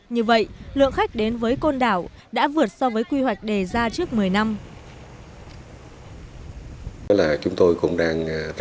như vậy lượng khách đến với côn đảo đã vượt so với quy hoạch đề ra trước một mươi năm